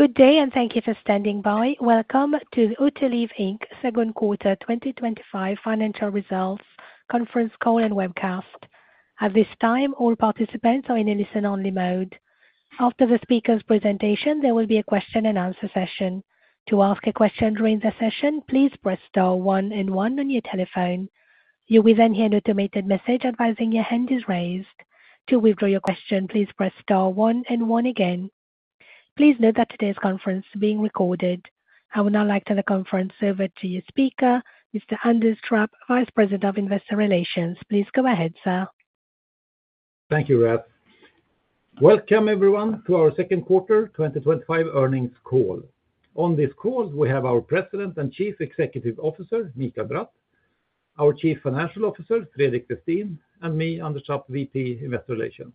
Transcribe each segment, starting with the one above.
Good day and thank you for standing by. Welcome to the Autoliv Inc. Second Quarter 2025 Financial Results Conference Call and Webcast. At this time, all participants are in a listen-only mode. After the speaker's presentation, there will be a Question and Answer session. To ask a question during the session, please press star one and one on your telephone. You will then hear an automated message advising your hand is raised. To withdraw your question, please press star one and one again. Please note that today's conference is being recorded. I would now like to turn the conference over to your speaker, Mr. Anders Trapp, Vice President of Investor Relations. Please go ahead, sir. Thank you. Welcome everyone to our second quarter 2025 earnings call. On this call we have our President and Chief Executive Officer Mikael Bratt, our Chief Financial Officer Fredrik Westin, and me, Anders Trapp, VP Investor Relations.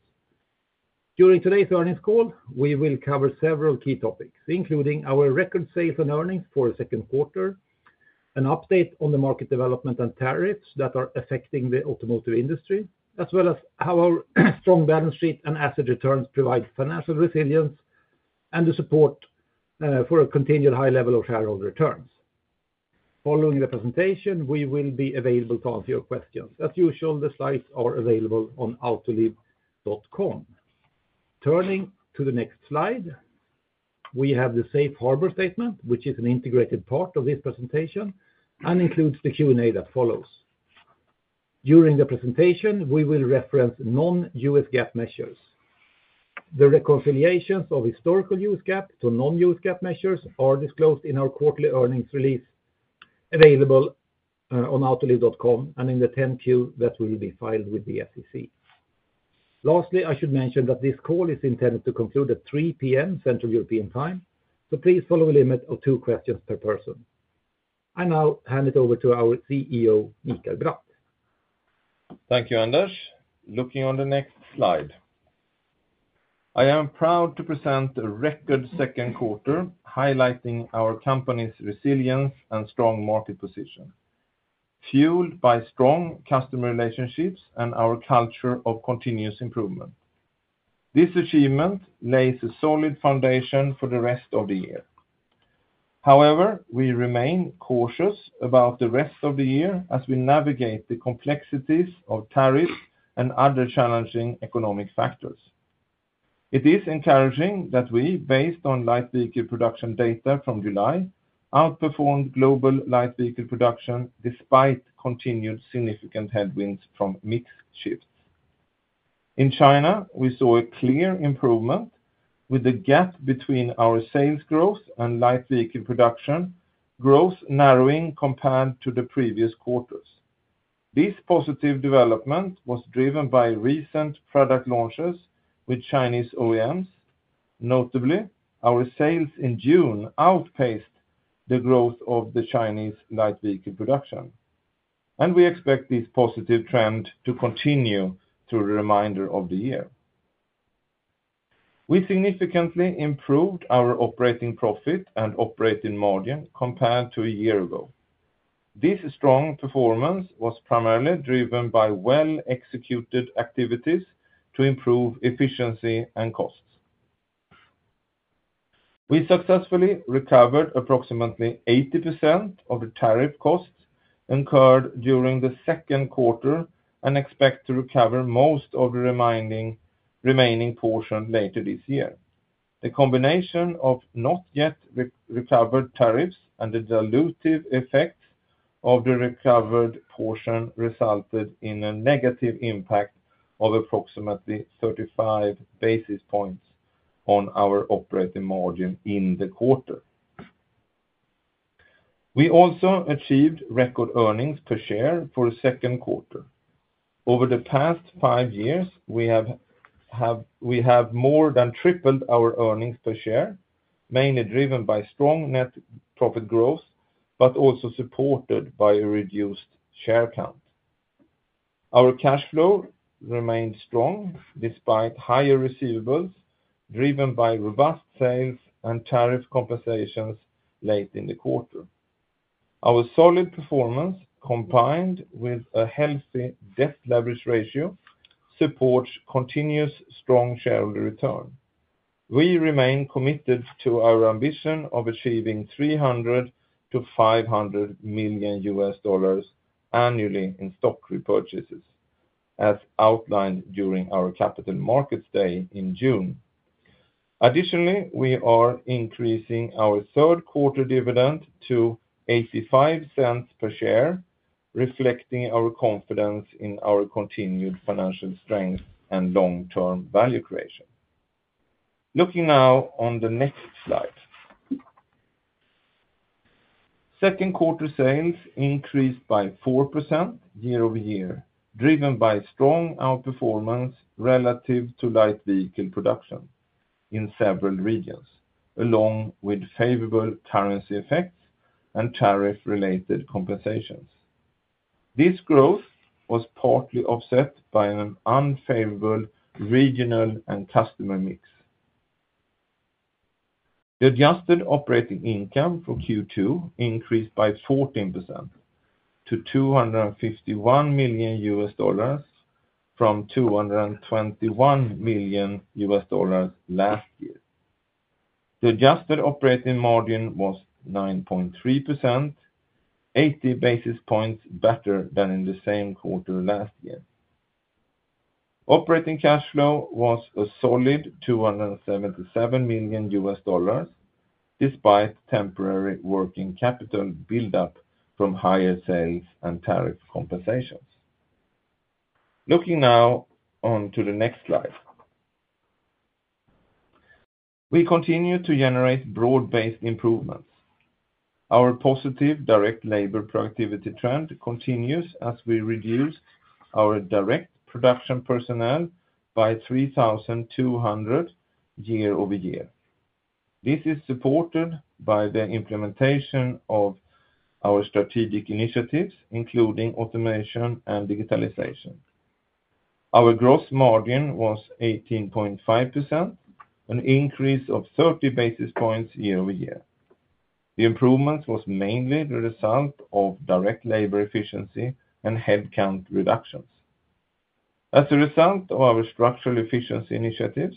During today's earnings call, we will cover several key topics including our record sales and earnings for the second quarter, an update on the market development and tariffs that are affecting the automotive industry, as well as how our strong balance sheet and asset returns provide financial resilience and the support for a continued high level of shareholder returns. Following the presentation, we will be available to answer your questions as usual. The slides are available on Autoliv. Turning to the next slide, we have the Safe Harbor Statement which is an integrated part of this presentation and includes the Q&A that follows. During the presentation we will reference non-U.S. GAAP measures. The reconciliations of historical U.S. GAAP to non-U.S. GAAP measures are disclosed in our quarterly earnings release available on autoliv.com and in the 10-Q that will be filed with the SEC. Lastly, I should mention that this call is intended to conclude at 3:00 P.M. Central European Time, so please follow a limit. Of two questions per person. I now hand it over to our CEO Mikael Bratt. Thank you, Anders. Looking on the next slide, I am proud to present a record second quarter highlighting our company's resilience and strong market position, fueled by strong customer relationships and our culture of continuous improvement. This achievement lays a solid foundation for the rest of the year. However, we remain cautious about the rest of the year as we navigate the complexities of tariff and other challenging economic factors. It is encouraging that we, based on light vehicle production data from July, outperformed global light vehicle production. Despite continued significant headwinds from mix shifts in China, we saw a clear improvement with the gap between our sales growth and light vehicle production growth narrowing compared to the previous quarters. This positive development was driven by recent product launches with Chinese OEMs. Notably, our sales in June outpaced the growth of the Chinese light vehicle production, and we expect this positive trend to continue through the remainder of the year. We significantly improved our operating profit and operating margin compared to a year ago. This strong performance was primarily driven by well-executed activities to improve efficiency and costs. We successfully recovered approximately 80% of the tariff costs incurred during the second quarter and expect to recover most of the remaining portion later this year. The combination of not yet recovered tariffs and the dilutive effects of the recovered part resulted in a negative impact of approximately 35 basis points on our operating margin in the quarter. We also achieved record earnings per share for the second quarter. Over the past five years, we have more than tripled our earnings per share, mainly driven by strong net profit growth but also supported by a reduced share count. Our cash flow remained strong despite higher receivables driven by robust sales and tariff compensations late in the quarter. Our solid performance combined with a healthy debt leverage ratio supports continuous strong shareholder return. We remain committed to our ambition of achieving $300 to $500 million annually in stock repurchases as outlined during our Capital Markets day in June. Additionally, we are increasing our third quarter dividend to $0.85 per share, reflecting our confidence in our continued financial strength and long-term value creation. Looking now on the next slide. Second. Quarter sales increased by 4% year over year, driven by strong outperformance relative to light vehicle production in several regions along with favorable currency effects and tariff-related compensations. This growth was partly offset by an unfavorable regional and customer mix. The adjusted operating income for Q2 increased by 14% to $251 million from $221 million last year. The adjusted operating margin was 9.3%, 80 basis points better than in the same quarter last year. Operating cash flow was a solid $277 million despite temporary working capital build up from higher sales and tariff compensations. Looking now on to the next slide, we continue to generate broad-based improvements. Our positive direct labor productivity trend continues as we reduce our direct production personnel by 3,200 year over year. This is supported by the implementation of our strategic initiatives including automation and digitalization. Our gross margin was 18.5%, an increase of 30 basis points year over year. The improvement was mainly the result of direct labor efficiency and headcount reductions as a result of our structural efficiency initiatives.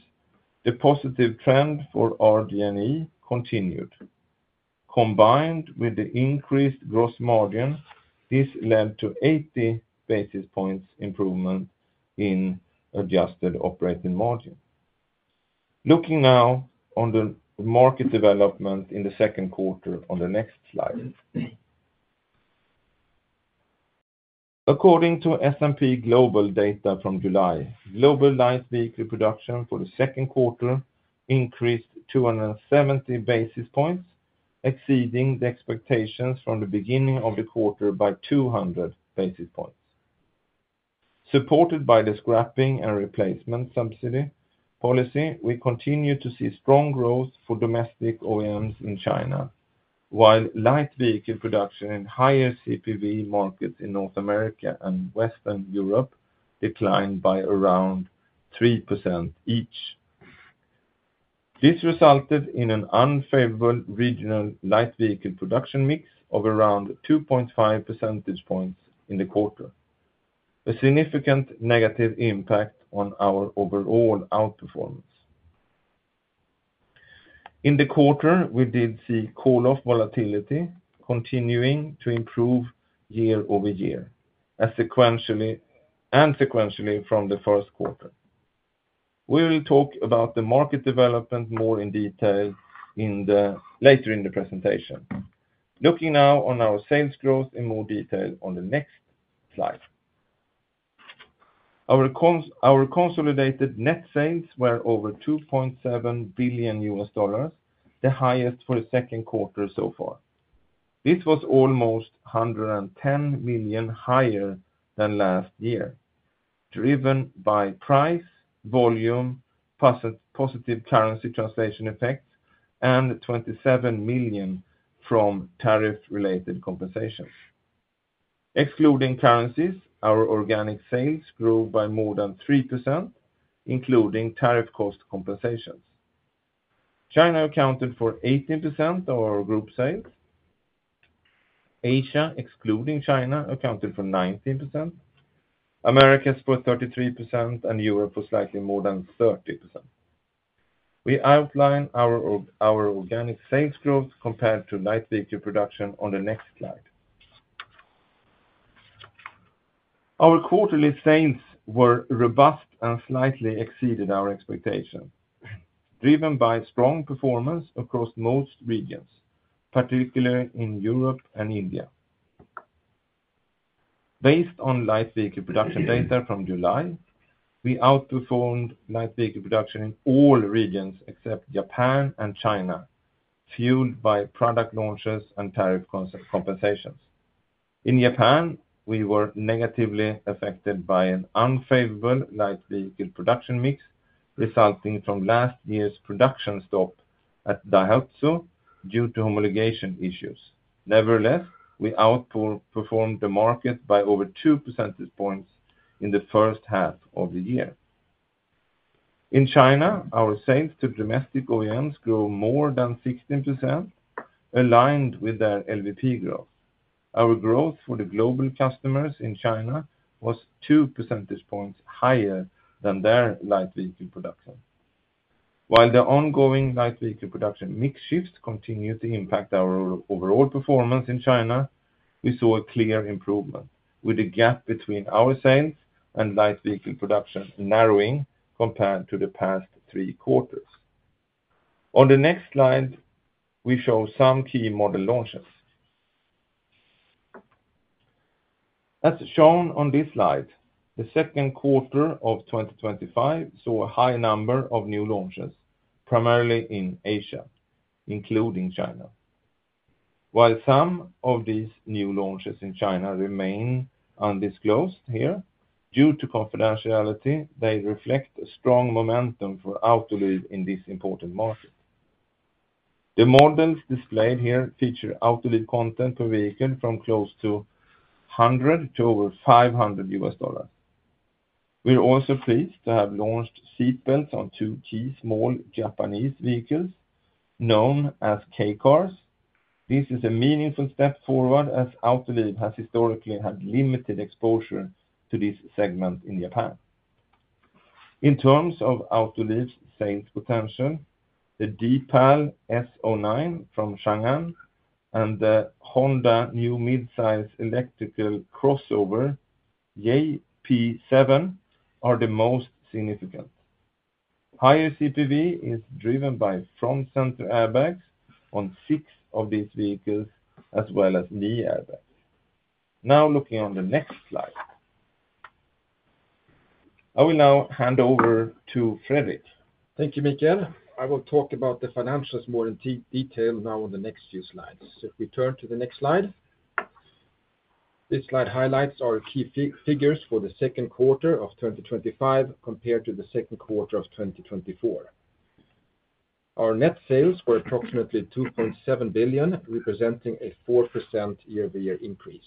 The positive trend for RD and E continued combined with the increased gross margin. This led to 80 basis points improvement in adjusted operating margin. Looking now on the market development in the second quarter on the next slide. According to S&P Global data from July, global light vehicle production for the second quarter increased 270 basis points, exceeding the expectations from the beginning of the quarter by 200 basis points, supported by the scrapping and replacement subsidy policy. We continue to see strong growth for domestic OEMs in China while light vehicle production in higher CPV markets in North America and Western Europe declined by around 3% each. This resulted in an unfavorable regional light vehicle production mix of around 2.5 percentage points in the quarter, a significant negative impact on our overall outperformance in the quarter. We did see call off volatility continuing to improve year over year as sequentially from the first quarter. We will talk about the market development more in detail later in the presentation. Looking now on our sales growth in more detail on the next slide, our consolidated net sales were over $2.7 billion, the highest for the second quarter so far. This was almost $110 million higher than last year driven by price, volume, positive currency translation effects, and $27 million from tariff related compensations. Excluding currencies, our organic sales grew by more than 3% including tariff cost compensations. China accounted for 18% of our group sales, Asia excluding China accounted for 19%, America for 33%, and Europe was slightly more than 30%. We outline our organic sales growth compared to light vehicle production on the next slide. Our quarterly sales were robust and slightly exceeded our expectation driven by strong performance across most regions, particularly in Europe and India. Based on light vehicle production data from July, we outperformed light vehicle production in all regions except Japan and China, fueled by product launches and tariff compensations. In Japan, we were negatively affected by an unfavorable light vehicle production mix resulting from last year's production stop at Daihatsu due to homologation issues. Nevertheless, we outperformed the market by over 2 percentage points in the first half of the year. In China, our sales to domestic OEMs grew more than 16% aligned with their LVP growth. Our growth for the global customers in China was 2 percentage points higher than their light vehicle production. While the ongoing light vehicle production mix shift continues to impact our overall performance in China, we saw a clear improvement with a gap between our sales and light vehicle production narrowing compared to the past three quarters. On the next slide, we show some key model launches as shown on this slide. The second quarter of 2025 saw a high number of new launches, primarily in Asia including China. While some of these new launches in China remain undisclosed here due to confidentiality, they reflect a strong momentum for Autoliv in this important market. The models displayed here feature Autoliv content per vehicle from close to $100 to over $500. We're also pleased to have launched seatbelts on two key small Japanese vehicles known as Kei cars. This is a meaningful step forward as Autoliv has historically had limited exposure to this segment in Japan. In terms of Autoliv sales potential, the Deepal S09 from Changan and the Honda new midsize electrical crossover JP7 are the most significant. Higher CPV is driven by front center airbags on six of these vehicles as well as knee airbags. Now looking on the next slide, I will now hand over to Fredrik. Thank you, Mikael. I will talk about the financials more in detail now on the next few slides. If we turn to the next slide, this slide highlights our key figures for the second quarter of 2025 compared to the second quarter of 2024. Our net sales were approximately $2.7 billion, representing a 4% year-over-year increase.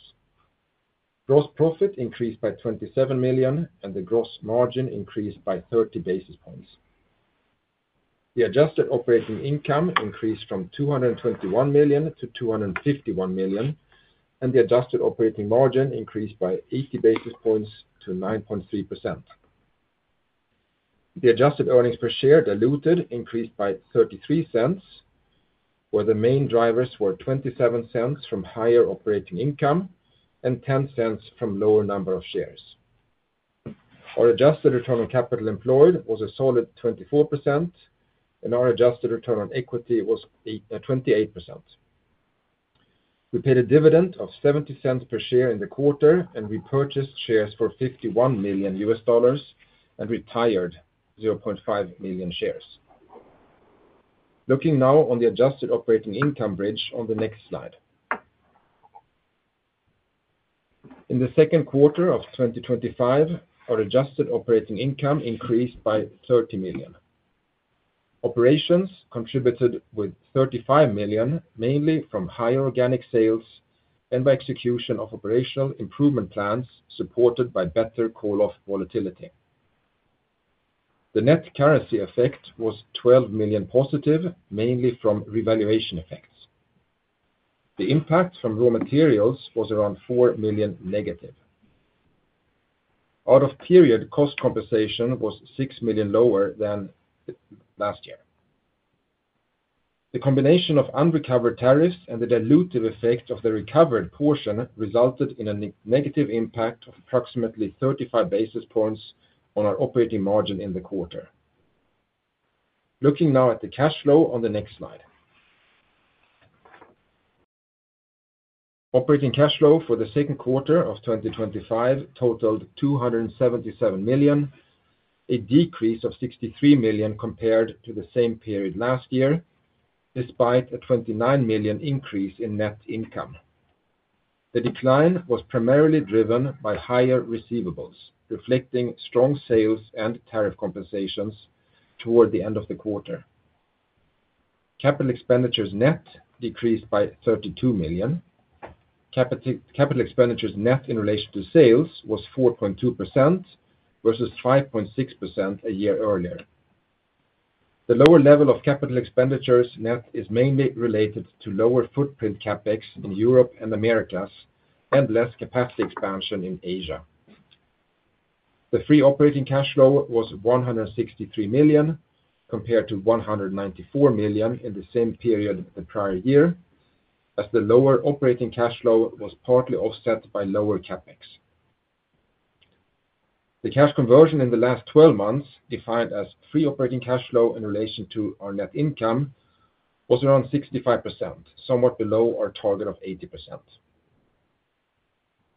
Gross profit increased by $27 million, and the gross margin increased by 30 basis points. The adjusted operating income increased from $221 million to $251 million, and the adjusted operating margin increased by 80 basis points to 9.3%. The adjusted earnings per share diluted increased by $0.33, where the main drivers were $0.27 from higher operating income and $0.10 from lower number of shares. Our adjusted return on capital employed was a solid 24%, and our adjusted return on equity was 28%. We paid a dividend of $0.70 per share in the quarter and repurchased shares for $51 million and retired 0.5 million shares. Looking now on the adjusted operating income bridge on the next slide. In the. Second quarter of 2025 our adjusted operating income increased by $30 million. Operations contributed with $35 million mainly from higher organic sales and by execution of operational improvement plans supported by better call off volatility. The net currency effect was $12 million positive mainly from revaluation effects. The impact from raw materials was around $4 million negative. Out of period cost compensation was $6 million lower than last year. The combination of unrecovered tariffs and the dilutive effect of the recovered portion resulted in a negative impact of approximately 35 basis points on our operating margin in the quarter. Looking now at the cash flow on the next slide, operating cash flow for the second quarter of 2025 totaled $277 million, a decrease of $63 million compared to the same period last year despite a $29 million increase in net income. The decline was primarily driven by higher receivables reflecting strong sales and tariff compensations. Toward the end of the quarter, capital expenditures net decreased by $32 million. Capital expenditures net in relation to sales was 4.2% versus 5.6% a year earlier. The lower level of capital expenditures net is mainly related to lower footprint CapEx in Europe and Americas and less capacity expansion in Asia. The free operating cash flow was $163 million compared to $194 million in the same period the prior year as the lower operating cash flow was partly offset by lower CapEx. The cash conversion in the last 12 months defined as free operating cash flow in relation to our net income was around 65%, somewhat below our target of 80%.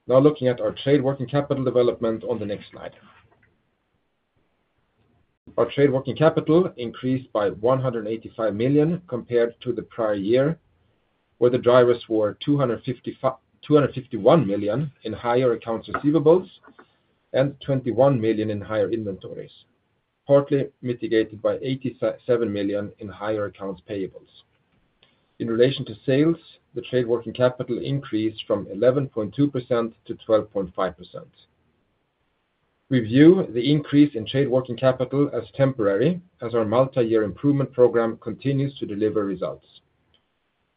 Now looking at our trade working capital development on the next slide, our trade working capital increased by $185 million compared to the prior year where the drivers were $251 million in higher accounts receivables and $21 million in higher inventories, partly mitigated by $87 million in higher accounts payables. In relation to sales, the trade working capital increased from 11.2% to 12.5%. We view the increase in trade working capital as temporary as our multi-year improvement program continues to deliver results.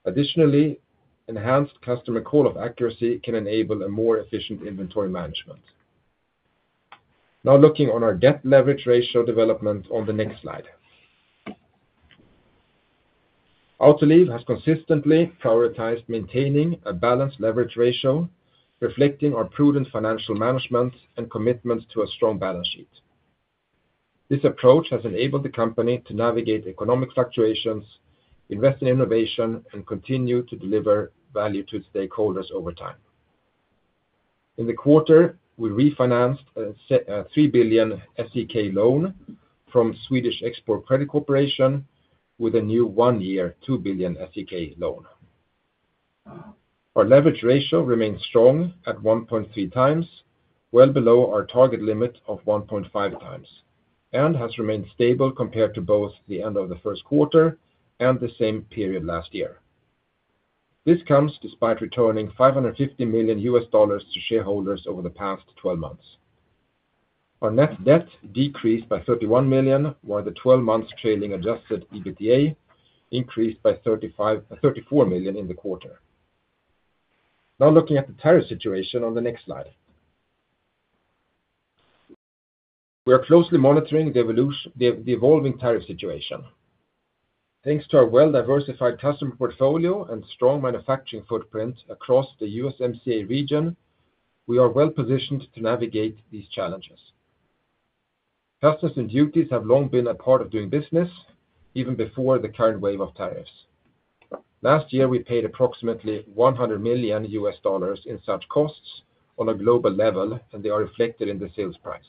Additionally, enhanced customer call off accuracy can enable a more efficient inventory management. Now looking on our debt leverage ratio development on the next slide, Autoliv has consistently prioritized maintaining a balanced leverage ratio reflecting our prudent financial management and commitments to a strong balance sheet. This approach has enabled the company to navigate economic fluctuations, invest in innovation, and continue to deliver value to stakeholders over time. In the quarter, we refinanced a 3 billion SEK loan from Swedish Export Credit Corporation with a new 1-year 2 billion SEK loan. Our leverage ratio remains strong at 1.3 times, well below our target limit of 1.5 times, and has remained stable compared to both the end of the first quarter and the same period last year. This comes despite returning $550 million to shareholders. Over the past 12 months, our net debt decreased by $31 million while the 12-month trailing adjusted EBITDA increased by $34 million in the quarter. Now looking at the tariff situation on the next slide, we are closely monitoring the evolving tariff situation. Thanks to our well-diversified customer portfolio and strong manufacturing footprint across the USMCA region, we are well positioned to navigate these challenges. Customs and duties have long been a part of doing business even before the current wave of tariffs. Last year, we paid approximately $100 million in such costs on a global level, and they are reflected in the sales price.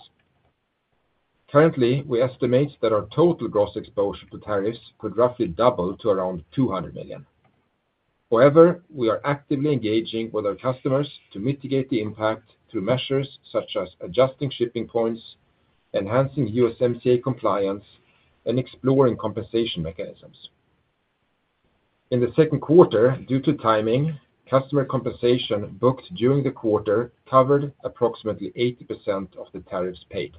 Currently, we estimate that our total gross exposure to tariffs could roughly double to around $200 million. However, we are actively engaging with our customers to mitigate the impact through measures such as adjusting shipping points, enhancing USMCA compliance, and exploring compensation mechanisms in the second quarter. Due to timing, customer compensation booked during the quarter covered approximately 80% of the tariffs paid.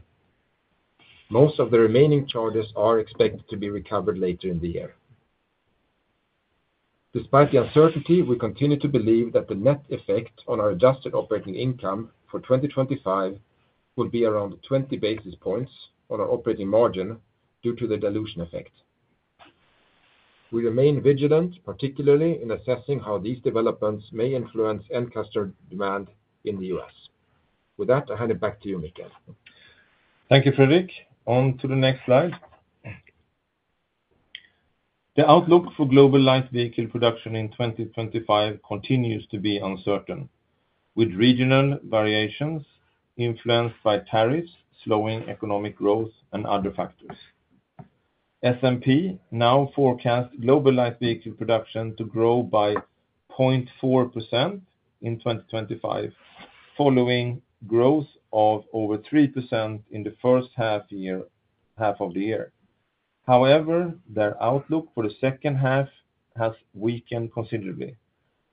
Most of the remaining charges are expected to be recovered later in the year. Despite the uncertainty, we continue to believe that the net effect on our adjusted operating income for 2025 will be around 20 basis points on our operating margin due to the dilution effect. We remain vigilant, particularly in assessing how these developments may influence customer demand in the U.S. With that, I hand it back to you, Mikael. Thank you, Fredrik. On to the next slide. The outlook for global light vehicle production in 2025 continues to be uncertain, with regional variations influenced by tariffs, slowing economic growth, and other factors. S&P Global now forecasts global light vehicle production to grow by 0.4% in 2025, following growth of over 3% in the first half of the year. However, their outlook for the second half has weakened considerably,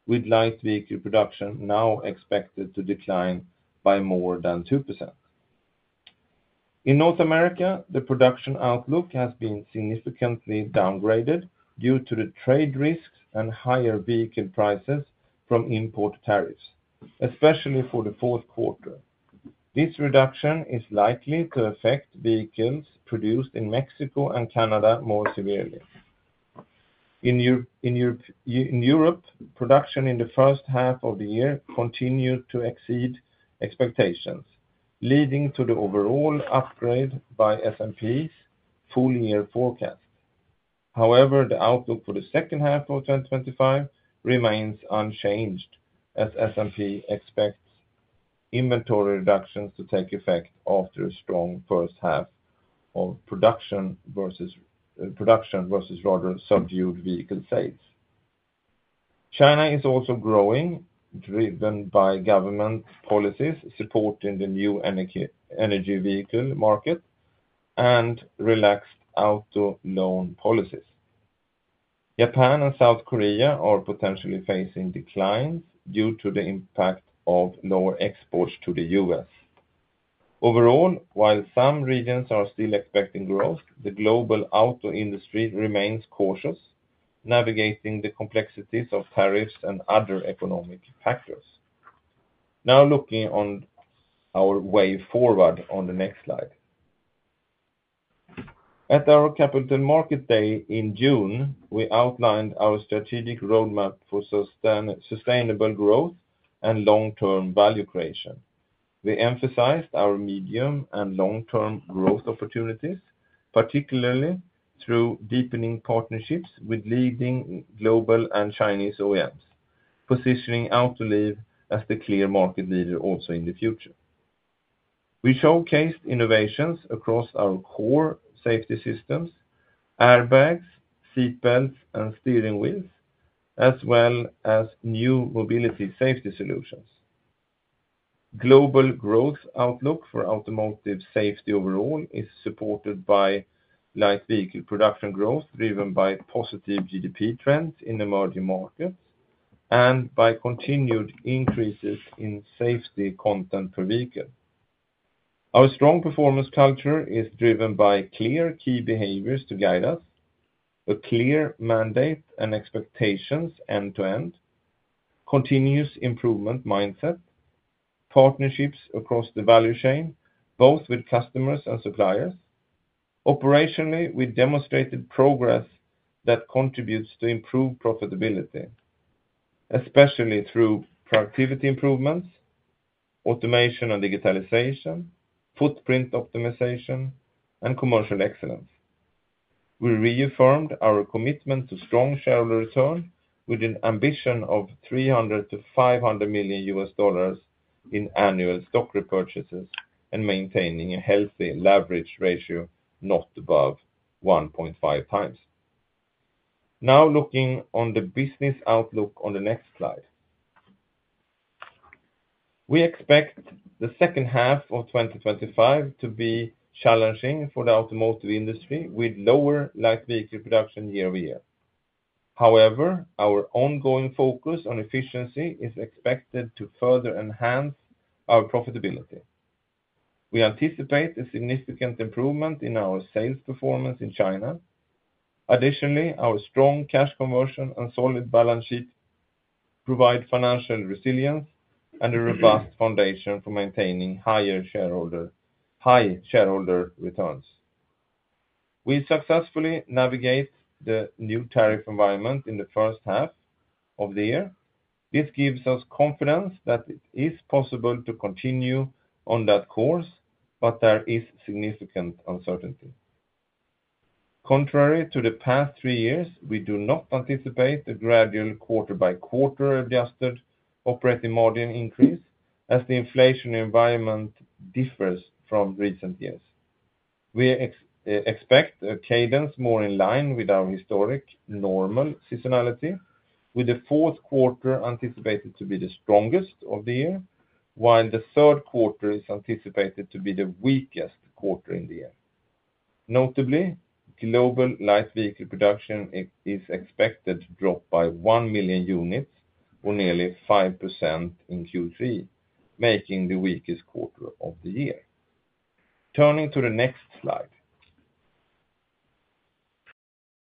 with light vehicle production now expected to decline by more than 2%. In North America, the production outlook has been significantly downgraded due to the trade risks and higher vehicle prices from import tariffs, especially for the fourth quarter. This reduction is likely to affect vehicles produced in Mexico and Canada more severely. In Europe, production in the first half of the year continued to exceed expectations, leading to the overall upgrade by S&P Global full year forecast. However, the outlook for the second half of 2025 remains unchanged as S&P Global expects inventory reductions to take effect after a strong first half of production versus subdued vehicle sales. China is also growing, driven by government policies supporting the new energy vehicle market and relaxed auto loan policies. Japan and South Korea are potentially facing declines due to the impact of lower exports to the U.S. Overall, while some regions are still expecting growth, the global auto industry remains cautious, navigating the complexities of tariffs and other economic factors. Now looking on our way forward on the next slide, at our Capital Market Day in June, we outlined our strategic roadmap for sustainable growth and long-term value creation. We emphasized our medium and long-term growth opportunities, particularly through deepening partnerships with leading global and Chinese OEMs, positioning Autoliv as the clear market leader. Also in the future, we showcased innovations across our core safety systems, airbags, seatbelts, and steering wheels, as well as new mobility safety solutions. Global growth outlook for automotive safety overall is supported by light vehicle production growth driven by positive GDP trends in emerging markets and by continued increases in safety content per vehicle. Our strong performance culture is driven by clear key behaviors to guide us, a clear mandate and expectations, end-to-end continuous improvement mindset, partnerships across the value chain both with customers and suppliers. Operationally, we demonstrated progress that contributes to improved profitability, especially through productivity improvements, automation and digitalization, footprint optimization, and commercial excellence. We reaffirmed our commitment to strong shareholder return with an ambition of $300 to $500 million in annual stock repurchases and maintaining a healthy leverage ratio not above 1.5 times. Now, looking on the business outlook on the next slide, we expect the second half of 2025 to be challenging for the automotive industry with lower light vehicle production year over year. However, our ongoing focus on efficiency is expected to further enhance our profitability. We anticipate a significant improvement in our sales performance in China. Additionally, our strong cash conversion and solid balance sheet provide financial resilience and a robust foundation for maintaining high shareholder returns. We successfully navigate the new tariff environment in the first half of the year. This gives us confidence that it is possible to continue on that course, but there is significant uncertainty. Contrary to the past three years, we do not anticipate the gradual quarter by quarter adjusted operating margin increase as the inflation environment differs from recent years. We expect a cadence more in line with our historic normal seasonality, with the fourth quarter anticipated to be the strongest of the year, while the third quarter is anticipated to be the weakest quarter in the year. Notably, global light vehicle production is expected to drop by 1 million units or nearly 5% in Q3, making it the weakest quarter of the year. Turning to the next slide,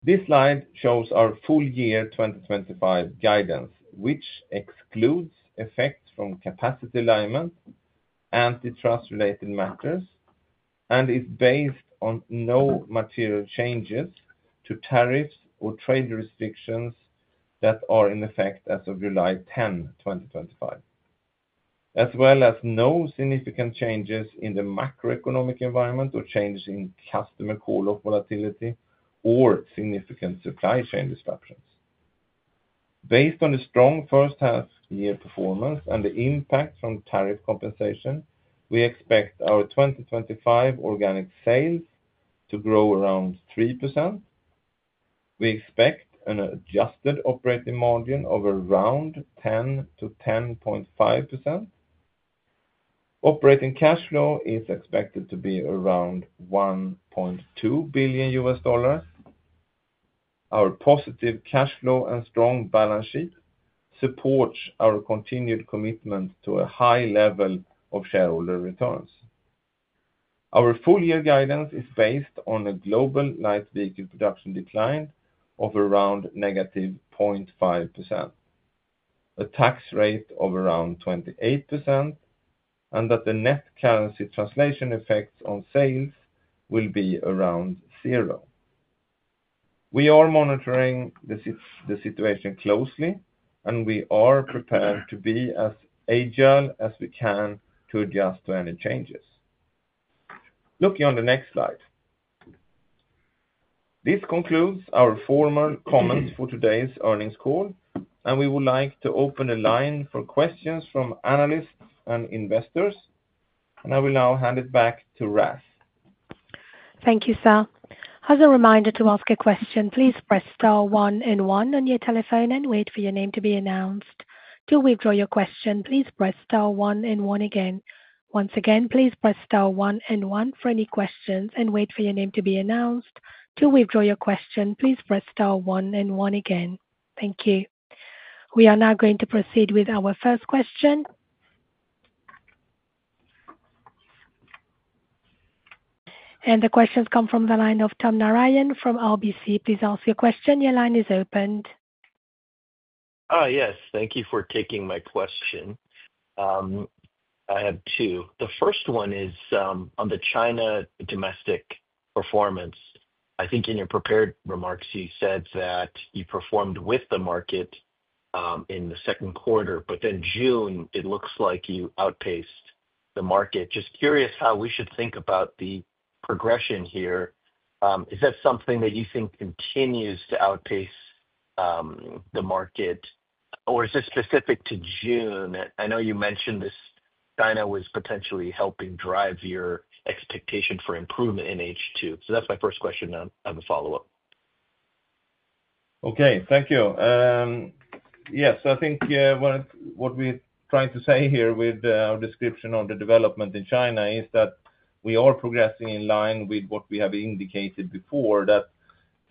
this slide shows our full year 2025 guidance, which excludes effects from capacity alignment, antitrust related matters, and is based on no material changes to tariffs or trade restrictions that are in effect as of July 10, 2025, as well as no significant changes in the macroeconomic environment or changes in customer call-off volume or significant supply chain disruptions. Based on the strong first half year performance and the impact from tariff compensation, we expect our 2025 organic sales to grow around 3%. We expect an adjusted operating margin of around 10% to 10.5%. Operating cash flow is expected to be around $1.2 billion. Our positive cash flow and strong balance sheet supports our continued commitment to a high level of shareholder returns. Our full year guidance is based on a global light vehicle production decline of around -0.5%, a tax rate of around 28%, and that the net currency translation effects on sales will be around zero. We are monitoring the situation closely, and we are prepared to be as agile as we can to adjust to any changes. Looking on the next slide, this concludes our formal comments for today's earnings call, and we would like to open the line for questions from analysts and investors. I will now hand it back to Raf. Thank you, sir. As a reminder to ask a question, please press Star 1 and 1 on your telephone and wait for your name to be announced. To withdraw your question, please press Star 1 and 1 again. Once again, please press Star 1 and 1 for any questions and wait for your name to be announced. To withdraw your question, please press Star 1 and 1 again. Thank you. We are now going to proceed with our first question and the questions come from the line of Tom Narayan from RBC Capital Markets. Please ask your question. Your line is opened. Yes, thank you for taking my question. I have two. The first one is on the China domestic performance. I think in your prepared remarks you said that you performed with the market in the second quarter, but then June it looks like you outpaced the market. Just curious how we should think about the progression here. Is that something that you think continues to outpace the market, or is this specific to June? I know you mentioned this, China was potentially helping drive your expectation for improvement in H2. That's my first question as a follow up. Okay, thank you. Yes, I think what we are trying to say here with our description on the development in China is that we are progressing in line with what we have indicated before, that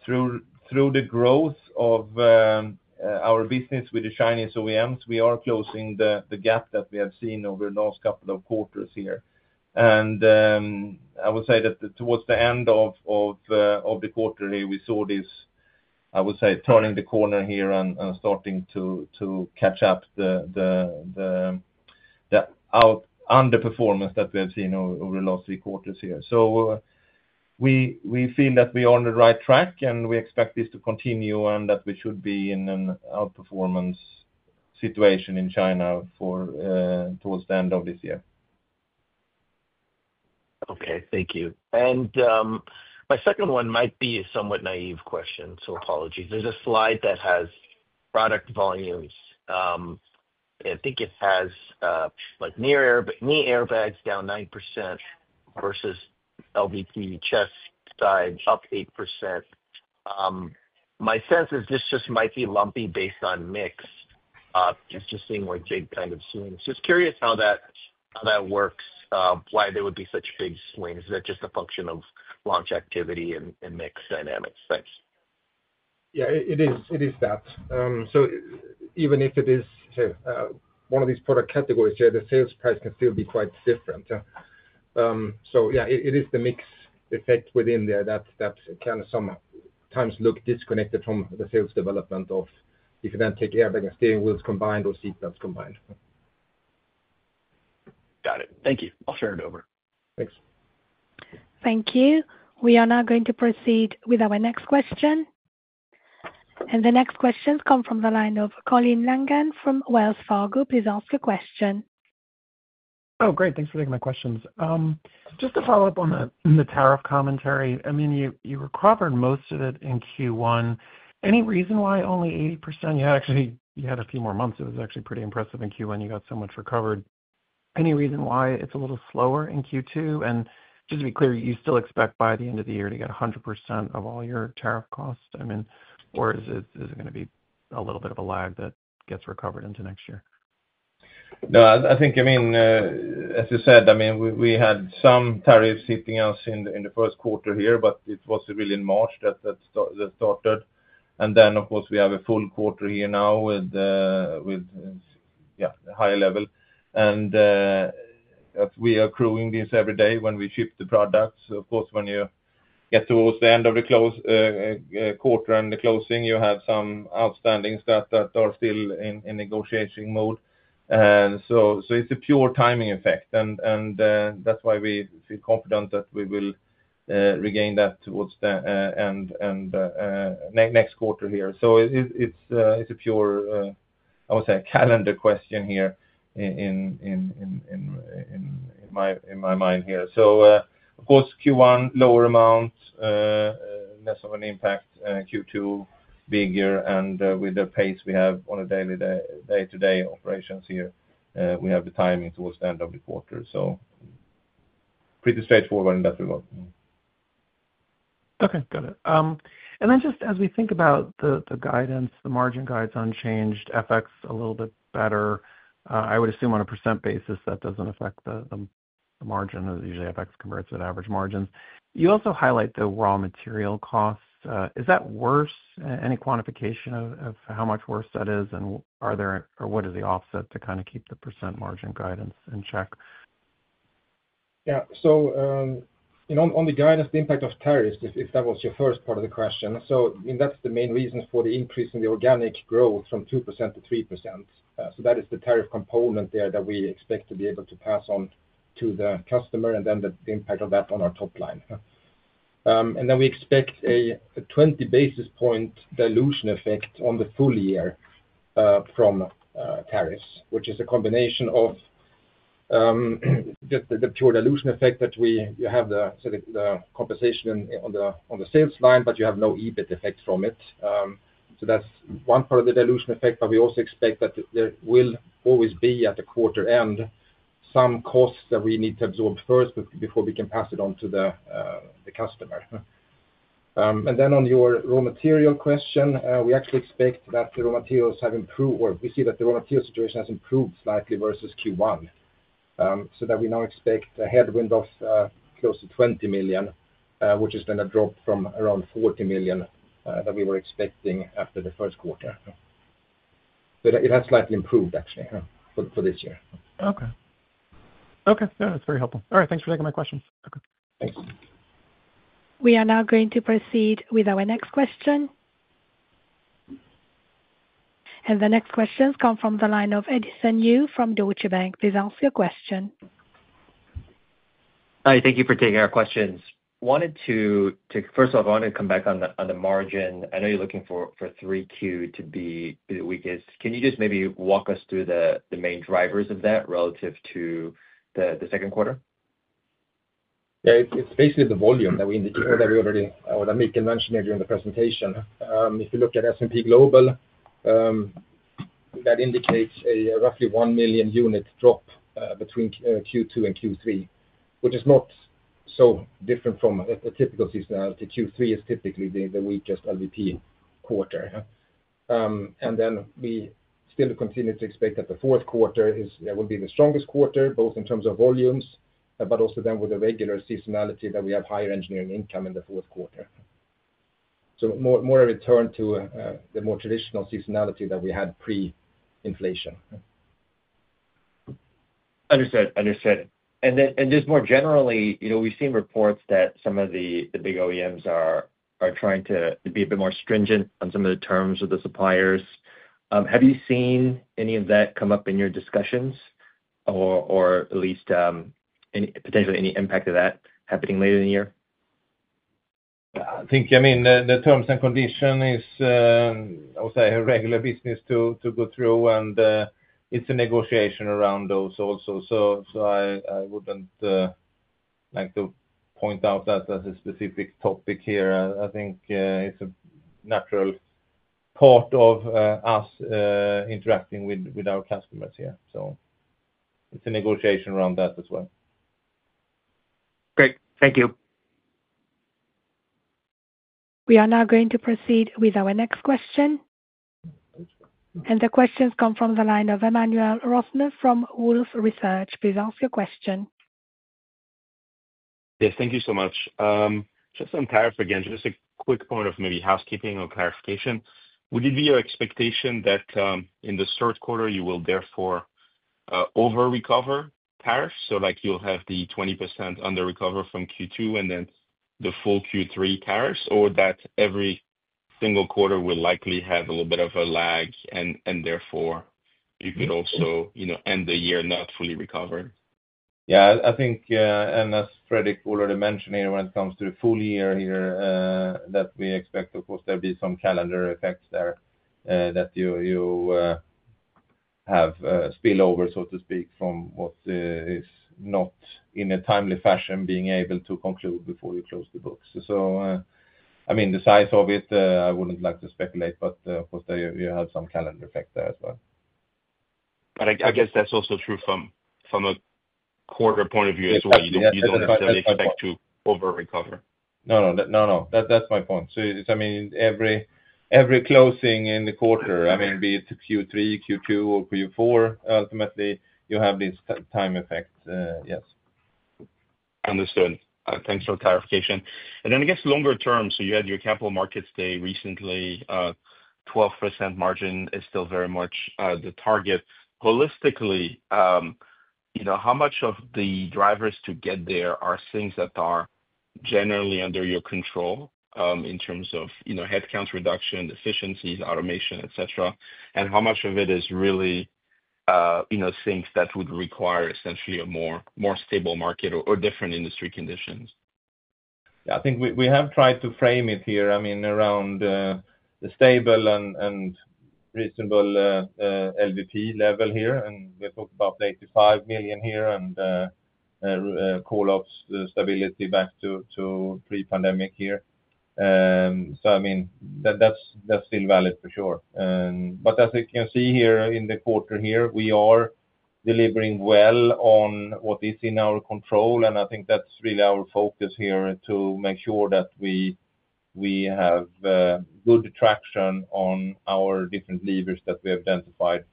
through the growth of our business with the Chinese OEMs, we are closing the gap that we have seen over the last couple of quarters. I would say that towards the end of the quarter we saw this, turning the corner here and starting to catch up the underperformance that we have seen over the last three quarters. We feel that we are on the right track and we expect this to continue and that we should be in an outperformance situation in China towards the end of this year. Okay, thank you. My second one might be a somewhat naive question, so apologies. There's a slide that has product volumes. I think it has like knee airbags down 9% versus LVT chest side up 8%. My sense is this just might be lumpy based on mix, just seeing where it kind of swings. Just curious how that works, why there would be such big swings. Is that just a function of launch activity and mix dynamics? Thanks. Yeah, it is that. Even if it is one of these product categories, the sales price can still be quite different. It is the mix effect within there that sometimes looks disconnected from the sales development. If you then take airbags and steering wheels combined or seatbelts combined. Got it. Thank you. I'll turn it over. Thanks. Thank you. We are now going to proceed with our next question. The next questions come from the line of Colin Langan from Wells Fargo. Please ask your question. Oh, great. Thanks for taking my questions. Just to follow up on the tariff. Commentary, I mean you recovered most of it in Q1. Any reason why only 80%? You actually had a few more months. It was actually pretty impressive in Q1 you got so much recovered. Any reason why it's a little slower in Q2? Just to be clear, you still expect by the end of the year to get 100% of all your tariff costs. I mean, is it going to be a little bit of a lag that gets recovered into next year? No, I think, as you said, we had some tariffs hitting us in the first quarter here, but it was really in March that. Of course, we have a full quarter here now with high level and we are accruing this every day when we ship the products. When you get towards the end of the close quarter and the closing, you have some outstanding stuff that are still in negotiating mode. It's a pure timing effect and that's why we feel confident that we will regain that towards the end next quarter here. It's a pure, I would say, a calendar question here in my mind. Q1 lower amount, less of an impact, Q2 bigger. With the pace we have on a day to day operations here, we have the timing towards the end of the quarter. Pretty straightforward in that regard. Okay, got it. As we think about. The guidance, the margin guide is unchanged. FX a little bit better. I would assume on a % basis that doesn't affect the margin. Usually FX converts at average margins. You also highlight the raw material costs. Is that worse? Any quantification of how much worse that is, and what is the offset to kind of keep the % margin guidance in check? Yeah. On the guidance, the impact of tariffs, if that was your first part of the question. That's the main reason for the increase in the organic growth from 2% to 3%. That is the tariff component there that we expect to be able to pass on to the customer, and then the impact of that on our top line. We expect a 20 basis point dilution effect on the full year from tariffs, which is a combination. Of. The pure dilution effect is that you have the compensation on the sales line, but you have no EBIT effect from it. That's one part of the dilution effect. We also expect that there will always be at the quarter end some costs that we need to absorb first before we can pass it on to the customer. On your raw material question, we actually expect that the raw materials have improved, or we see that the raw material situation has improved slightly versus Q1, so that we now expect a headwind of close to $20 million, which is going to drop from around $40 million that we were expecting after the first quarter. It has slightly improved actually for this year. Okay, that's very helpful. All right, thanks for taking my questions. We are now going to proceed with our next question. The next questions come from the line of Edison Yu from Deutsche Bank. Please answer your question. Hi, thank you for taking our questions. First off, I wanted to come back on the margin. I know you're looking for 3Q to be the weakest. Can you just maybe walk us through? The main drivers of that relative to the second quarter? It's basically the volume that we indicated that we already, or that Mikael Bratt mentioned earlier in the presentation. If you look at S&P Global. Global. That indicates a roughly 1 million unit drop between Q2 and Q3, which is not so different from a typical seasonality. Q3 is typically the weakest LVP quarter. We still continue to expect that the fourth quarter will be the strongest quarter, both in terms of volumes, but also with the regular seasonality that we have higher engineering income in the fourth quarter. It is more a return to the more traditional seasonality that we had pre-inflation. Understood, understood. More generally, we've seen reports that some of the big OEMs are trying to be a bit more stringent on some of the terms of the suppliers. Have you seen any of that come up in your discussions or at least potentially any impact of that happening later in the year? I think the terms and condition is a regular business to go through, and it's a negotiation around those also. I wouldn't like to point out that as a specific topic here. I think it's a natural part of us interacting with our customers here, so it's a negotiation around that as well. Great, thank you. We are now going to proceed with our next question. The questions come from the line of Emmanuel Rosner from Wolfe Research. Please ask your question. Yes, thank you so much. Just on tariff again, just a quick point of maybe housekeeping or clarification. Would it be your expectation that in the third quarter you will therefore over recover tariffs, so like you'll have the 20% under recover from Q2 and then the full Q3 tariffs, or that every single quarter will likely have a little bit of a lag and therefore you could also end the year not fully recovered? I think, and as Fredrik already mentioned here, when it comes to the full year here, that we expect of course there'll be some calendar effects there, that you have spillover, so to speak, from what is not in a timely fashion being able. To conclude before you close the books. I mean the size of it, I wouldn't like to speculate, but you have some calendar effect there as well. I guess that's also true from a quarter point of view as well. You don't necessarily expect to over recover. No, no, no, no. That's my point. I mean every closing in the quarter, be it Q3, Q2, or Q4, ultimately you have this time effect. Yes, understood. Thanks for clarification. I guess longer term, you had your capital markets day recently, 12% margin is still very much the target. Holistically, how much of the drivers to get there are things that are generally under your control in terms of headcount reduction, efficiencies, automation, cetera? and how much it is really things that would require essentially a more stable market or different industry conditions? I think we have tried to frame it here, I mean around the stable and reasonable LVP level here, and we talked about 85 million here and call up stability back to pre-pandemic here. That's still valid for sure. As you can see here in the quarter, we are delivering well on what is in our control, and I think that's really our focus here to make sure that we have good traction on our different levers that we identified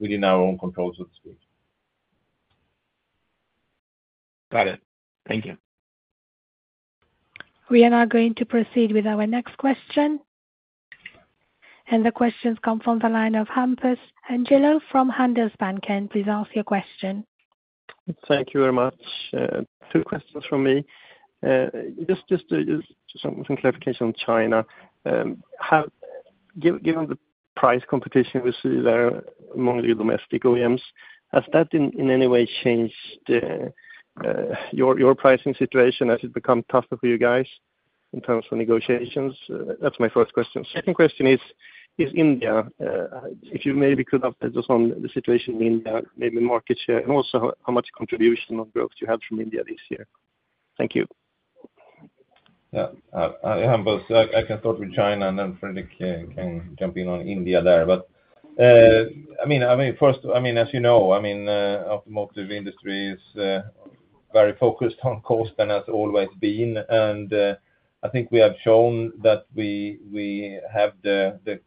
within our own control, so to speak. Got it. Thank you. We are now going to proceed with our next question. The questions come from the line of Hampus Engellau from Handelsbanken. Can you please ask your question? Thank you very much. Two questions from me, just some clarification on China. Given the price competition we see there among the domestic OEMs, has that in any way changed your pricing situation? Has it become tougher for you guys in terms of negotiations? That's my first question. Second question is India. If you maybe could update us on the situation in India, maybe market share and also how much contribution of growth. You had from India this year. Thank you. I can start with China and then Fredrik can jump in on India. As you know, the automotive industry is very focused on cost and has always been. I think we have shown that we have the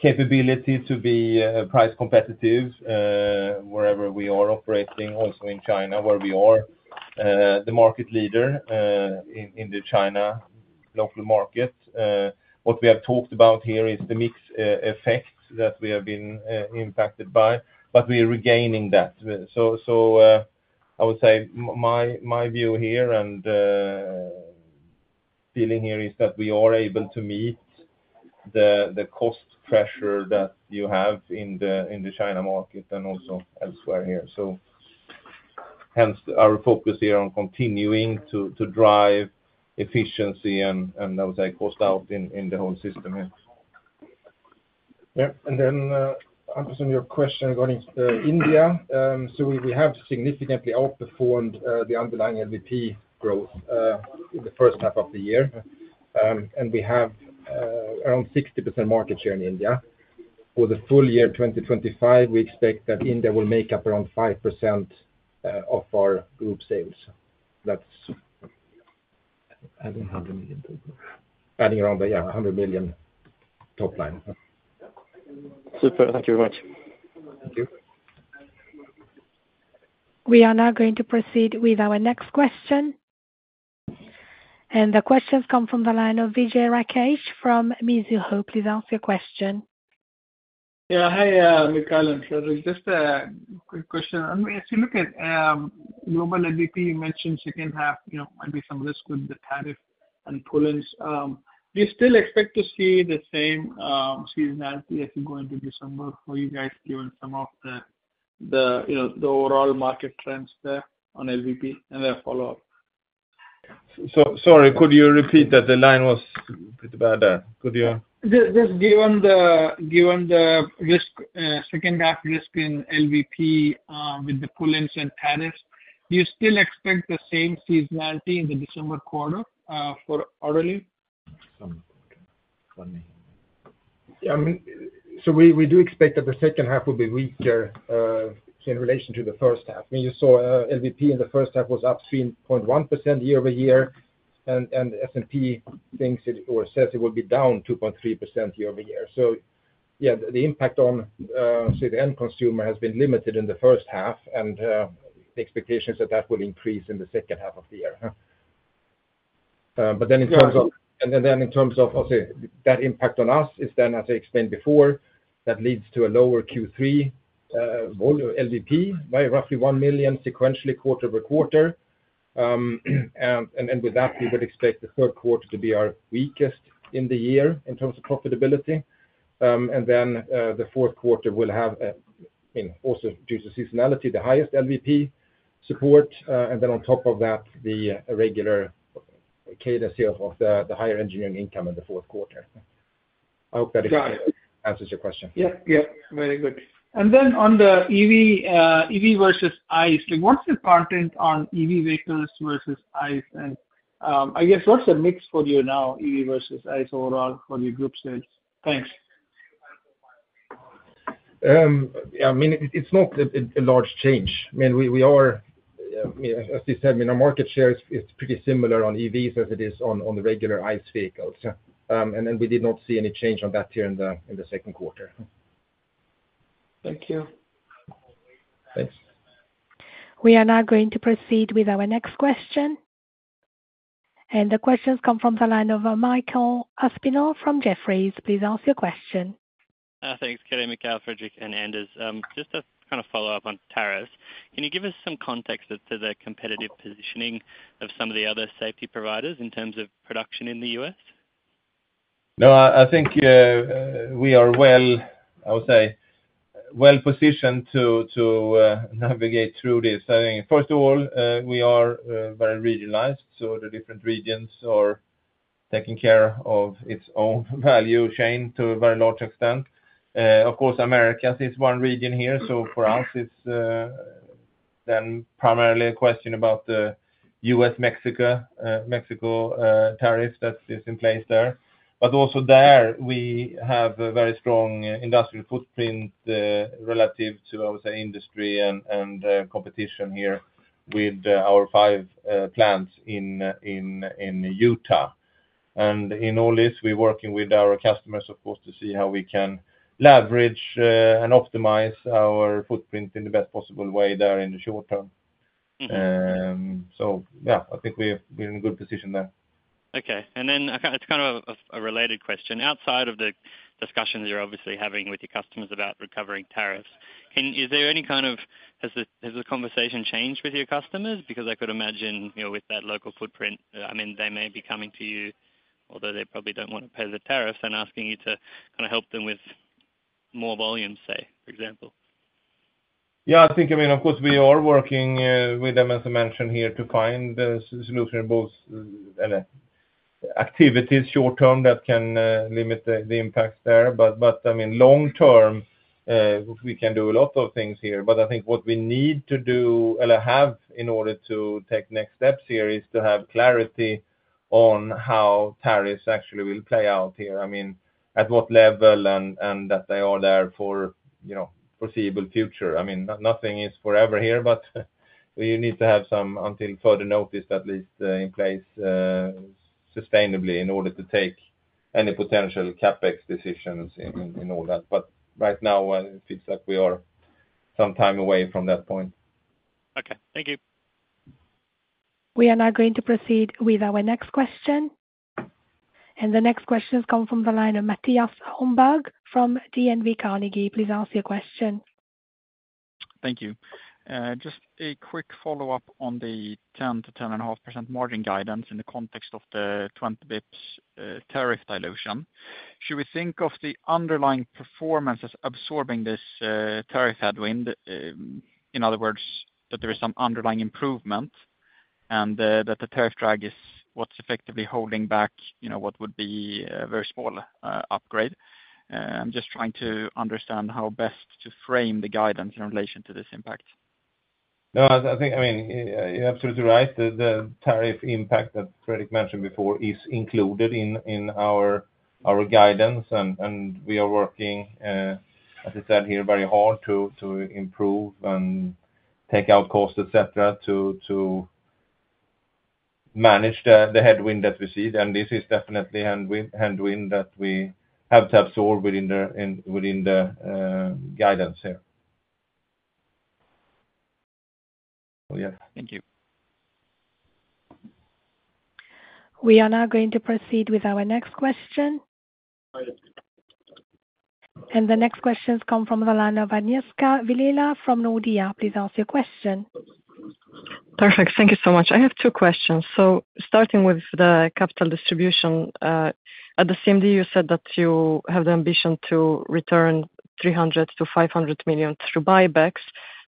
capability to be price competitive wherever we are operating, also in China where we are the market leader in the China local market. What we have talked about here is the mix effect that we have been impacted by, but we are regaining that. I would say my view here and feeling here is that we are able to meet the cost pressure that you have in the China market and also elsewhere. Hence, our focus here on continuing to drive efficiency and I would say cost out in the whole system. And. Regarding your question about India, we have significantly outperformed the underlying light vehicle production growth in the first half of the year, and we have around 60% market share in India. For the full year 2025, we expect that India will make up around 5% of our group sales, adding around $100 million to the top line. Super. Thank you very much. We are now going to proceed with our next question. The questions come from the line of Vijay Rakesh from Mizuho. Please ask your question. Yeah, hi Mikael and Fredrik, just a quick question. If you look at global LVP, you mentioned second half, you know, maybe some risk with the tariff and pull ins. Do you still expect to see the same seasonality as you go into December? For you guys, given some of the overall market trends there on LVP. Could you repeat that? The line was pretty bad. Given the risk, second half risk in LVP with the pull-ins and tariffs, do you still expect the same seasonality in the December quarter for Autoliv. We do expect that the second half will be weaker in relation to the first half. When you saw LVP in the first half was up 3.1% year over year and S&P Global thinks or says it will be down 2.3% year over year. The impact on, say, the end consumer has been limited in the first half and expectations are that will increase in the second half of the year. In terms of that impact on us, as I explained before, that leads to a lower Q3 volume LVP by roughly 1 million sequentially quarter over quarter. With that, we would expect the third quarter to be our weakest in the year in terms of profitability. The fourth quarter will have also, due to seasonality, the highest LVP support. On top of that, the regular cadence here of the higher engineering income in the fourth quarter. I hope that answers your question. Yeah, very good. On the EV versus ICE, what's the content on EV vehicles versus, I guess. What's the mix for you now, EV versus ICE overall for your group sales? Thanks. I mean, it's not a large change. We are, as you said, our market share is pretty similar on EVs as it is on the regular ICE vehicles. We did not see any change on that here in the second quarter. Thank you. We are now going to proceed with our next question. The questions come from the line of Michael Aspinall from Jefferies. Please ask your question. Thanks, Mikael, Fredrik and Anders. Just a kind of follow-up on tariffs. Can you give us some context? To the competitive positioning of some of the other safety providers in terms of production in the U.S., no, I think. I would say we are well positioned to navigate through this. First of all, we are very regionalized, so the different regions are taking care of their own value chain to a very large extent. Of course, America is one region here. For us, it's then primarily a question about the U.S.-Mexico tariff that is in place there. Also, we have a very strong industrial footprint relative to industry and competition here with our five plants in Utah. In all this, we're working with our customers, of course, to see how we can leverage and optimize our footprint in the best possible way there in the short term. I think we're in a good position there. Okay. It's kind of a related question outside of the discussions you're obviously having with your customers about recovering tariffs. Is there any kind of, has the conversation changed with your customers? I could imagine with that local footprint, they may be coming. To you, although they probably don't want to. To pay the tariffs and asking you to kind of help them with more volumes, say, for example. Yeah, I think, I mean, of course we are working with them, as I mentioned here, to find solution, both activities short term that can limit the impact there. I mean long term we can do a lot of things here, but I think what we need to have in order to take next steps here is to have clarity on how tariffs actually will play out here. I mean at what level and that they are there for, you know, foreseeable future. I mean nothing is forever here, but we need to have some until further notice at least in place sustainably in order to take any potential CapEx decisions and all that. Right now it feels like we are some time away from that point. Okay, thank you. We are now going to proceed with our next question. The next question has come from the line of Mattias Holmberg from DNB Carnegie. Please ask your question. Thank you. Just a quick follow-up on the 10 to 10.5% margin guidance. In the context of the 20 bps tariff dilution, should we think of the underlying performance as absorbing this tariff headwind? In other words, there is some underlying improvement, and the tariff drag is what's effectively holding back what would be a very small upgrade. I'm just trying to understand how best to frame the guidance in relation to this impact. No, I think you're absolutely right. The tariff impact that Fredrik mentioned before is included in our guidance, and we are working, as I said here, very hard to improve and take out cost, etc. To. Manage the headwind that we see. This is definitely a headwind that we have to absorb within the guidance here. Thank you. We are now going to proceed with our next question. The next questions come from Agnieszka Vilela from Nordea. Please ask your question. Perfect. Thank you so much. I have 2 questions. Starting with the capital distribution at the CMD, you said that you have the ambition to return $300 to $500 million through buybacks,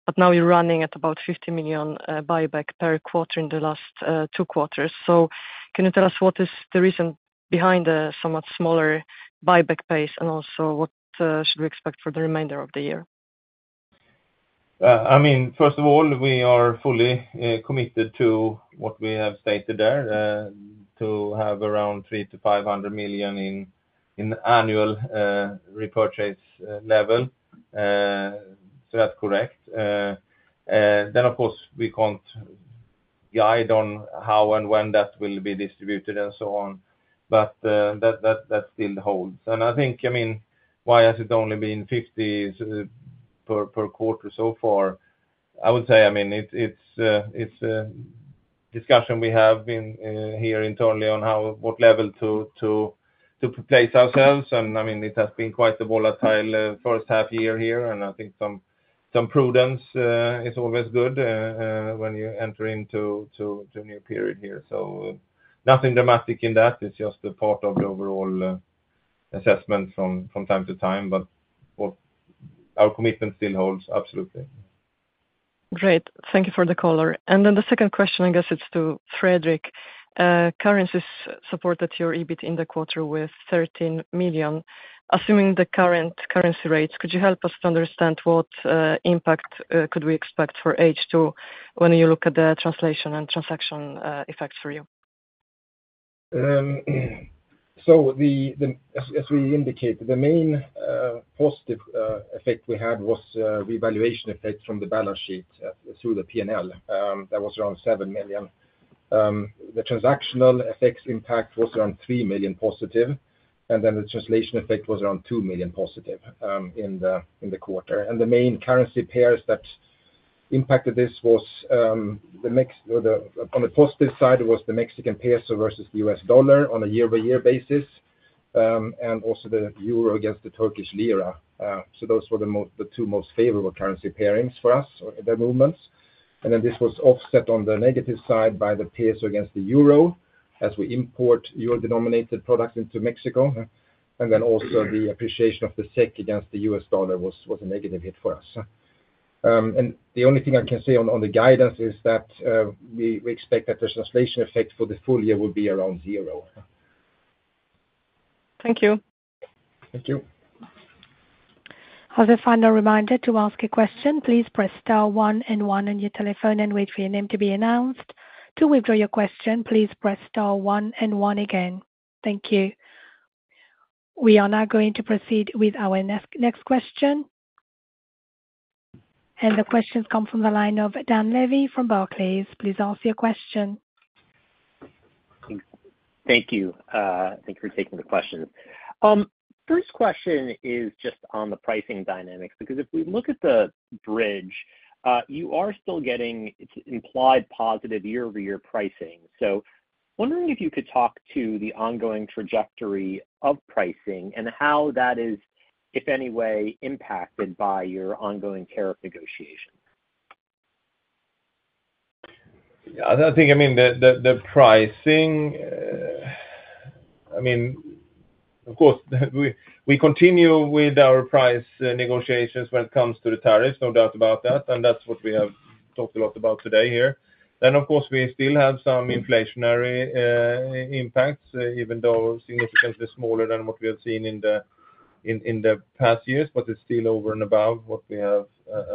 but now you're running at about $50 million buyback per quarter in the last 2 quarters. Can you tell us what is the reason behind a somewhat smaller buyback pace and also what should we expect for the remainder of the year? First of all, we are fully committed to what we have stated there, to have around $300 million to $500 million in annual repurchase level. That's correct. Of course, we can't guide on how and when that will be distributed and so on, but that still holds. I think, why has it only been $50 million per quarter so far. It's a discussion we have here internally on what level to place ourselves, and it has been quite a volatile first half year here. I think some prudence is always good when you enter into a new period here. Nothing dramatic in that, it's just a part of the overall assessment from time to time. Our commitment still holds. Great, thank you for the caller. The second question, I guess it's to Fredrik. Currencies supported your EBIT in the quarter with $13 million. Assuming the current currency rates, could you help us to understand what impact could we expect for H2 when you look at the translation and transaction effects for you? As we indicated, the main positive effect we had was revaluation effect from the balance sheet through the P&L that was around $7 million. The transactional FX impact was around $3 million positive, and the translation effect was around $2 million positive in the quarter. The main currency pairs that impacted this on the positive side were the Mexican peso versus the U.S. dollar on a year-by-year basis and also the euro against the Turkish lira. Those were the two most favorable currency pairings for us, the movements. This was offset on the negative side by the peso against the euro as we import euro-denominated products into Mexico, and also the appreciation of the SEK against the U.S. dollar was a negative hit for us. The only thing I can say on the guidance is that we expect that the translation effect for the full year will be around zero. Thank you. Thank you. As a final reminder to ask a question, please press star one and one on your telephone and wait for your name to be announced. To withdraw your question, please press star one and one again. Thank you. We are now going to proceed with our next question, and the questions come from the line of Dan Levy from Barclays. Please ask your question. Thank you. Thank you for taking the question. First question is just on the pricing dynamics, because if we look at the bridge, you are still getting implied positive year over year pricing. I am wondering if you could talk to the ongoing trajectory of pricing and how that is, if any way, impacted by your ongoing tariff negotiations? I think the pricing, I mean of course we continue with our price negotiations when it comes to the tariffs, no doubt about that. That's what we have talked a lot about today here. Of course we still have some inflationary impacts even though significantly smaller than what we have seen in the past years. It's still over and above what we have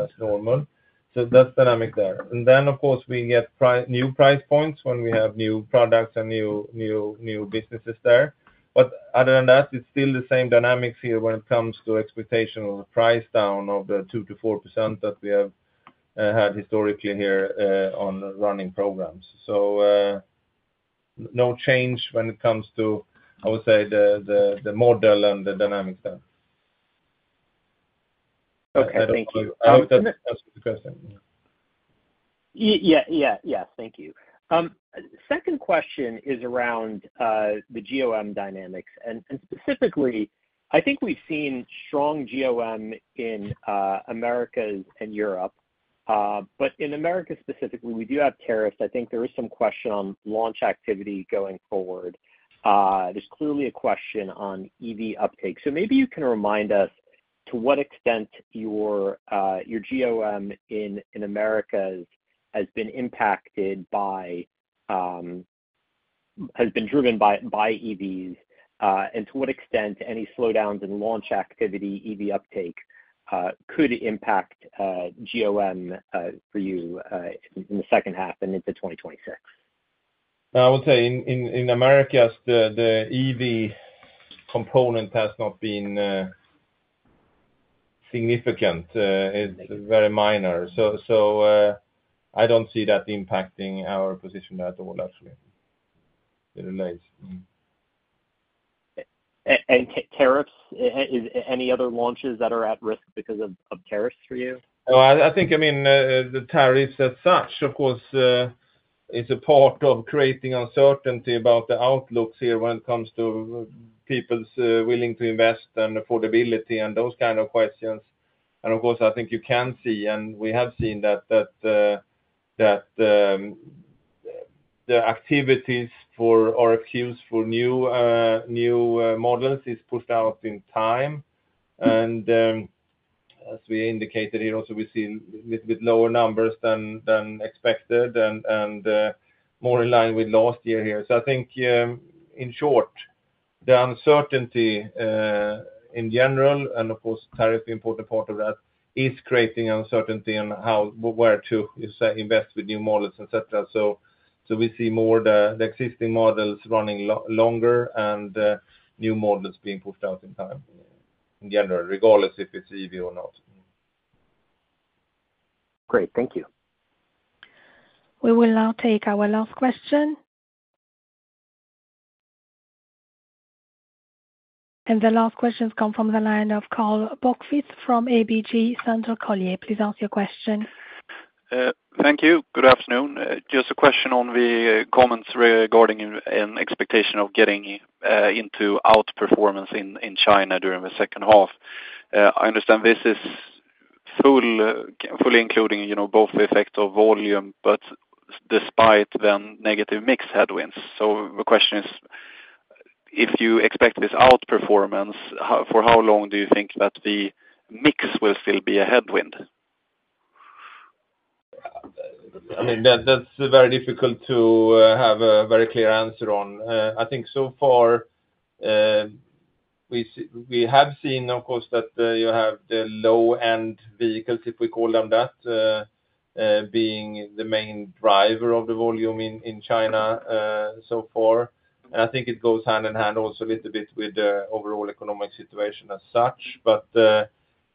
as normal, so that's dynamic there. Of course we get new price points when we have new products and new businesses there. Other than that it's still the same dynamics here when it comes to expectation of the price down of the 2% to 4% that we have had historically here on running programs. No change when it comes to, I would say, the model and the dynamics. Okay, thank you. I hope that answers the question. Yes, thank you. Second question is around the GOM dynamics and specifically I think we've seen strong GOM in Americas and Europe, but in Americas specifically we do have tariffs. I think there is some question on launch activity going forward. There's clearly a question on EV uptake. Maybe you can remind us to what extent your GOM in Americas has been impacted by, has been driven by EVs and to what extent any slowdowns in launch activity, EV uptake could impact GOM for you in the second half and into 2026. I would say in America the EV component has not been. Significant. It's very minor. I don't see that impacting our position at all actually. Are tariffs, any other launches that are at risk because of tariffs for you? I think the tariffs as such are of course a part of creating uncertainty about the outlooks here when it comes to people's willingness to invest and affordability and those kind of questions. Of course, I think you can see and we have seen that the activities for RFQs for new models are pushed out in time. As we indicated here also, we see a little bit lower numbers than expected and more in line with last year here. In short, the uncertainty in general, and of course tariffs as an important part of that, is creating uncertainty on where to invest with new models, etc. We see more of the existing models running longer and new models being pushed out in time in general, regardless if it's EV or not. Great, thank you. We will now take our last question, and the last questions come from the line of Karl Bokvist from ABG Sundal Collier. Please ask your question. Thank you. Good afternoon. Just a question on the comments regarding an expectation of getting into outperformance in China during the second half. I understand this is fully including both the effect of volume, but despite the negative mix headwinds. The question is if you expect this outperformance, for how long do you think that the mix will still be a headwind? That's very difficult to have a very clear answer on. I think so far we have seen, of course, that you have the low end vehicles, if we call them that, being the main driver of the volume in China so far, and I think it goes hand in hand also a little bit with the overall economic situation as such.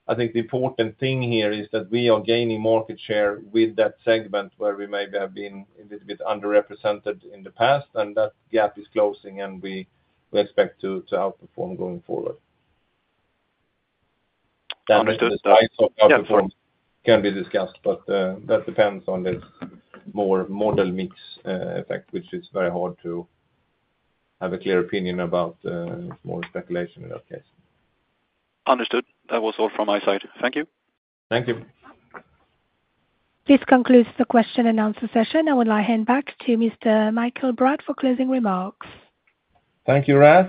I think the important thing here is that we are gaining market share with that segment where we may have been a bit underrepresented in the past, and that gap is closing. We expect to outperform going forward. Can be discussed, but that depends on this more model mix effect, which is very hard to have a clear opinion about. More speculation in that case. Understood. That was all from my side. Thank you. Thank you. This concludes the Question and Answer session. I would like to hand back to Mr. Mikael Bratt for closing remarks. Thank you, Raf.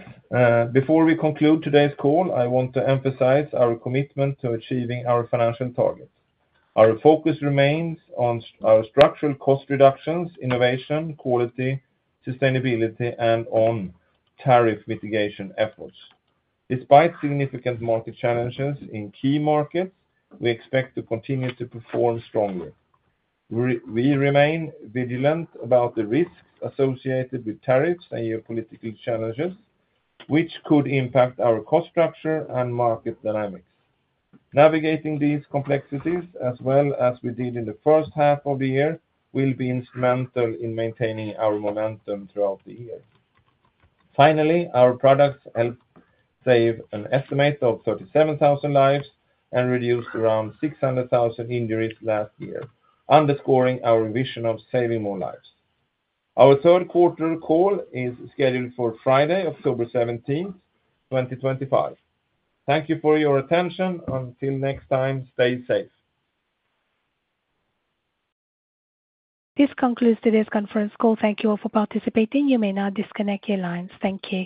Before we conclude today's call, I want to emphasize our commitment to achieving our financial targets. Our focus remains on our structural cost reductions, innovation, quality, sustainability, and on tariff mitigation efforts. Despite significant market challenges in key markets, we expect to continue to perform strongly. We remain vigilant about the risks associated with tariffs and geopolitical challenges, which could impact our cost structure and market dynamics. Navigating these complexities as well as we did in the first half of the year will be instrumental in maintaining our momentum throughout the year. Finally, our products helped save an estimated 37,000 lives and reduced around 600,000 injuries last year, underscoring our vision of saving more lives. Our third quarter call is scheduled for Friday, October 17, 2025. Thank you for your attention. Until next time, stay safe. This concludes today's conference call. Thank you all for participating. You may now disconnect your lines. Thank you.